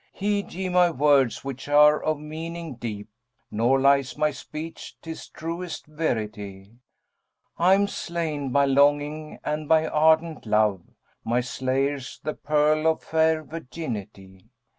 Heed ye my words which are of meaning deep, * Nor lies my speech; 'tis truest verity. I'm slain[FN#196] by longing and by ardent love; * My slayer's the pearl of fair virginity.